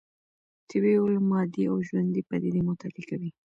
طبيعي علوم مادي او ژوندۍ پديدې مطالعه کوي.